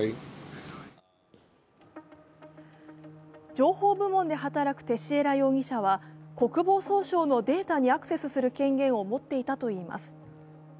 情報部門で働くテシエラ容疑者は国防総省のデータにアクセスする権限を持っていたといいます。